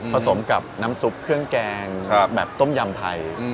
สมกับน้ำซุปเครื่องแกงแบบต้มยำไทย